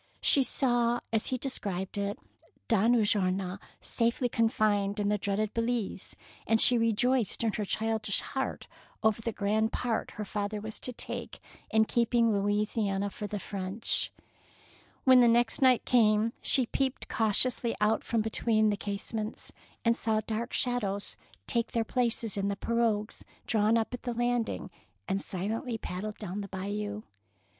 She saw, as he described it, Don Ulloa safely confined in the dreaded Belize, and she rejoiced in her childish heart over the grand part her father was to take in keeping Louisiana for the French. When the next night came, she peeped cautiously out from between the case ments, and saw dark figures take their places in the pirogues drawn up at the landing and silently paddle down the Bayou.